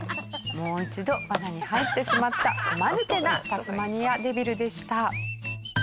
もう一度ワナに入ってしまったおまぬけなタスマニアデビルでした。